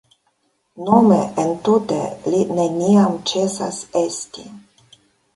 Nome, entute, “Li neniam ĉesas esti”.